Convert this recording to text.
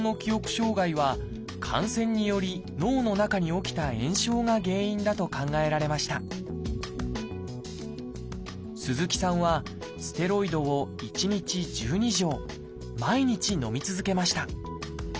障害は感染により脳の中に起きた炎症が原因だと考えられました鈴木さんはステロイドを１日１２錠毎日のみ続けました。